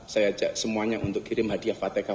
saya ajak semuanya untuk kirim hadiah fatwa